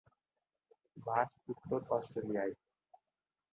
বাস উত্তর অষ্ট্রেলিয়ায়।